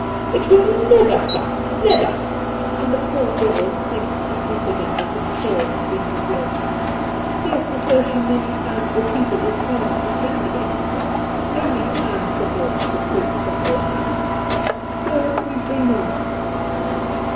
"It will never come never," and the poor devil slinks to sleep again, with his tail between his legs. Fierce assertion many times repeated is hard to stand against; only time separates the truth from the lie. So we dream on.